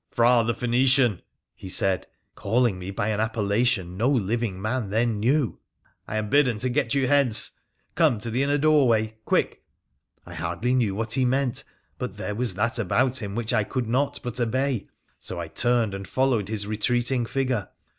' Phra, the Phoenician,' he said, calling me by an appella tion no living man then knew, ' I am bidden to get you hence. Come to the inner doorway — quick !' I hardly knew what he meant, but there was that about him which I could not but obey, so I turned and followed his retreating figure.